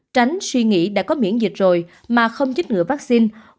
tránh suy nghĩ đã có miễn dịch rồi mà không chích ngừa vaccine